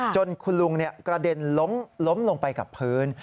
จนคุณลุงกระเด็นล้มลงไปกับพื้น